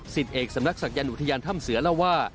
สิทธิ์เอกสำนักศักยรณ์อุทยานถ้ำเสือแล้วว่า